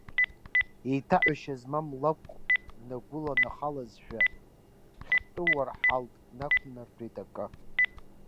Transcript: Еиҭаҳәашьа змам лакәк днагәыланахалазшәа, хьтәыурҳалк днақәнартәеит акы.